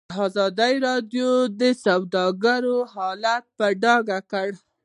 ازادي راډیو د سوداګري حالت په ډاګه کړی.